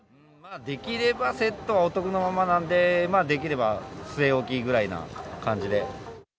できれば、セットはお得のままなので、できれば据え置きぐらいな感じで。